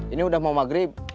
ini udah mau maghrib